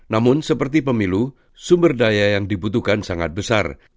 namun seperti pemilu sumber daya yang dibutuhkan sangat besar